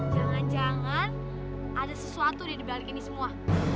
jangan jangan ada sesuatu di balik ini semua